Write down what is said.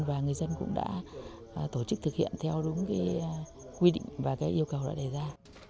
và người dân cũng đã tổ chức thực hiện theo đúng quy định và yêu cầu đã đề ra